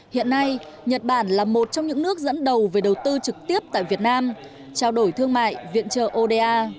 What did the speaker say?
hiện nay nhật bản là một trong những nước dẫn đầu về đầu tư trực tiếp tại việt nam trao đổi thương mại viện trợ oda